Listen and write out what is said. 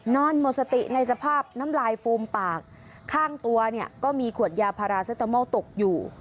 นอนหมดสติในสภาพน้ำลายฟูมปากข้างตัวเนี่ยก็มีขวดยาพาราเซตามอลตกอยู่